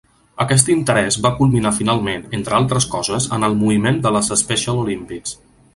Aquest interès va culminar finalment, entre altres coses, en el moviment de les Special Olympics.